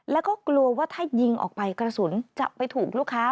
แล้วก็กลัวว่าถ้ายิงออกไปกระสุนจะไปถูกลูกค้า